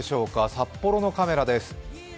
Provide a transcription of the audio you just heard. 札幌のカメラです。